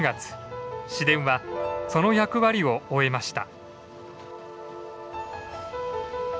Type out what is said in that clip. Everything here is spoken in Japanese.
市電はその役割を終えました。